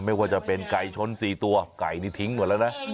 ไม่ว่าจะเป็นไก่ชน๔ตัวไก่นี่ทิ้งหมดแล้วนะ